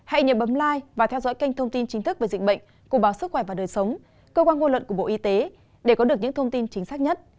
hãy nhớ bấm lai và theo dõi kênh thông tin chính thức về dịch bệnh của báo sức khỏe và đời sống cơ quan ngôn luận của bộ y tế để có được những thông tin chính xác nhất